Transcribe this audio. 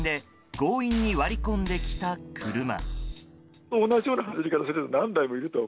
強引に割り込んできた車。